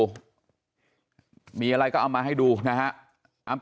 โอเคมีอะไรก็เอามาให้ดูนะครับ